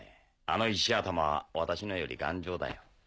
あの石頭は私のより頑丈だよ。